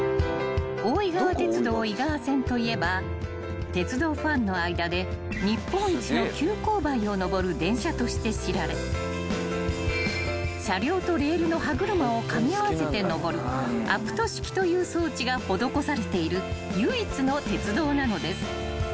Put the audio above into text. ［大井川鐵道井川線といえば鉄道ファンの間で日本一の急勾配を登る電車として知られ車両とレールの歯車をかみ合わせて登るアプト式という装置が施されている唯一の鉄道なのです］